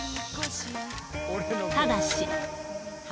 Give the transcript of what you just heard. ただし。